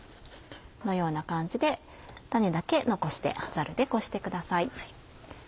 このような感じで種だけ残してザルでこしてください。